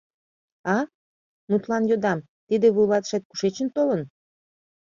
— А... мутлан йодам, тиде вуйлатышет кушечын толын?